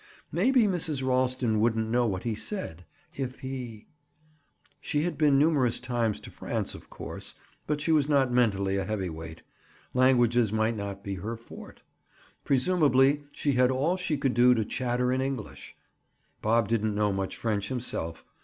Maybe Mrs. Ralston wouldn't know what he said, if he—? She had been numerous times to France, of course, but she was not mentally a heavy weight. Languages might not be her forte. Presumably she had all she could do to chatter in English. Bob didn't know much French himself.